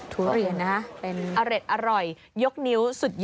ทุเรียนนะเป็นเอร็ดอร่อยยกนิ้วสุดยอด